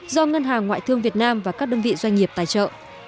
do ngân hàng ngoại thương việt nam và các đơn vị doanh nghiệp tài trợ